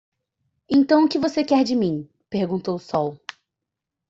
"Então o que você quer de mim?", Perguntou o sol.